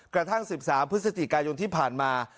กระทั่ง๑๓พฤศจิกายนที่ผ่านมา